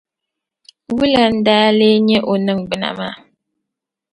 Wula n-daa leei nyɛ o ningbuna maa?